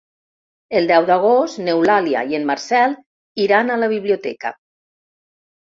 El deu d'agost n'Eulàlia i en Marcel iran a la biblioteca.